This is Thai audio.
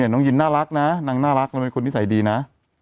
น้องยินน่ารักนะนางน่ารักนางเป็นคนนิสัยดีนะ